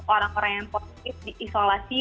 orang orang yang positif diisolasi